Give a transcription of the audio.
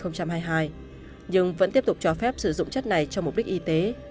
nhưng vẫn tiếp tục cho phép sử dụng chất này cho mục đích y tế